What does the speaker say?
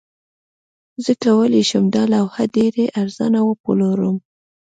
زه کولی شم دا لوحه ډیره ارزانه وپلورم